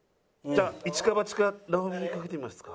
じゃあ一か八か直美にかけてみますか。